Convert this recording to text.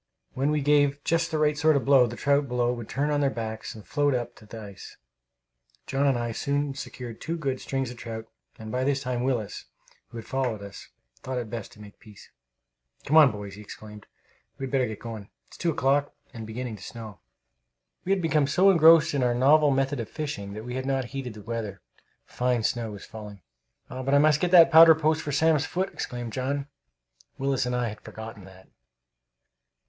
When we gave just the right sort of blow, the trout below would turn on their backs and float up to the ice. John and I soon secured two good strings of trout; and by this time Willis, who had followed us, thought it best to make peace. "Come on, boys!" he exclaimed. "We had better be going. It's two o'clock, and beginning to snow." We had become so engrossed in our novel method of fishing that we had not heeded the weather. Fine snow was falling. "But I must get the powder post for Sam's foot!" exclaimed John. Willis and I had forgotten that.